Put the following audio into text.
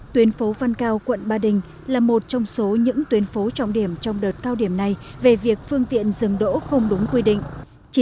tuyến phố văn cao quận ba đình là một trong số những tuyến phố trọng điểm trong đợt cao điểm này về việc phương tiện dừng đỗ không đúng quy định